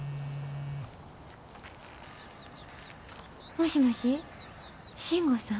もしもし信吾さん？